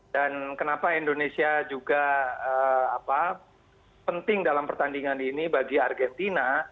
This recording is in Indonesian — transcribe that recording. dan kenapa indonesia juga penting dalam pertandingan ini bagi argentina